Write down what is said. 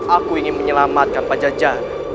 aku ingin menyelamatkan pajajaran